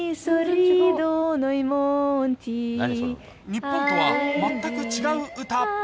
日本とは全く違う歌。